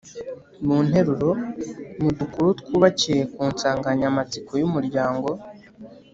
mu nteruro, mu dukuru twubakiye ku nsanganyamatsiko y’umuryango